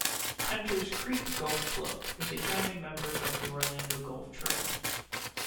Hunter's Creek Golf Club is a founding member of the Orlando Golf Trail.